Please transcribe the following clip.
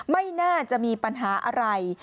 ไม่น่าจะมีปัญหาอะไร